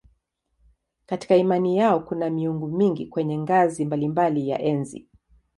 Katika imani yao kuna miungu mingi kwenye ngazi mbalimbali ya enzi.